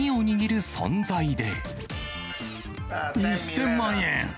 １０００万円。